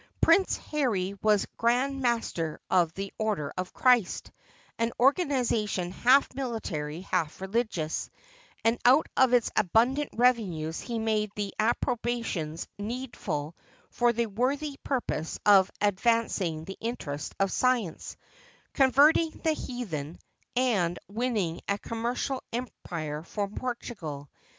Prince Henry was Grand Master of the Order of Christ, an organization half military, half relig ious; and out of its abundant revenues he made the ap propriations needful for the worthy purpose of advanc ing the interests of science, converting the heathen, and winning a commercial empire for Portugal.